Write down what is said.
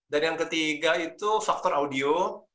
dan yang ketiga itu faktor audio